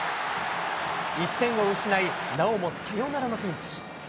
１点を失い、なおもサヨナラのピンチ。